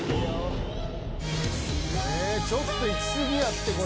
ちょっといき過ぎやってこれ。